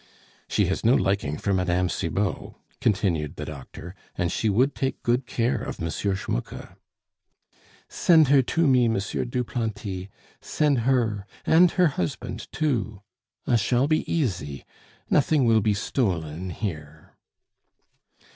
"She has no liking for Mme. Cibot," continued the doctor, "and she would take good care of M. Schmucke " "Send her to me, M. Duplanty... send her and her husband too. I shall be easy. Nothing will be stolen here."